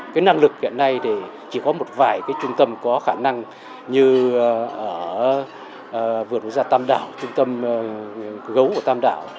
cái năng lực hiện nay thì chỉ có một vài cái trung tâm có khả năng như ở vườn quốc gia tam đảo trung tâm gấu của tam đảo